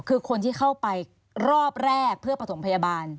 คือคนที่เข้าไปรอบแรกเพื่อประถมพยาบาล